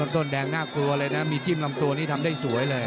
ต้นแดงน่ากลัวเลยนะมีจิ้มลำตัวนี้ทำได้สวยเลย